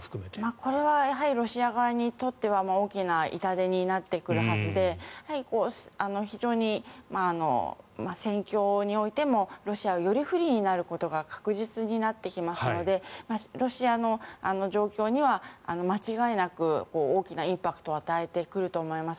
これはロシア側にとっては大きな痛手になってくるはずで非常に戦況においてもロシアがより不利になることが確実になってきますのでロシアの状況には間違いなく大きなインパクトを与えてくると思います。